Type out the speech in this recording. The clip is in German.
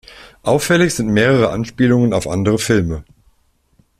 Auffällig sind mehrere Anspielungen auf andere Filme.